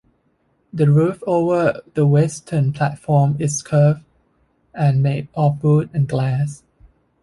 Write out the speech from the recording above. The roofover the western platform is curved, and made of wood and glass.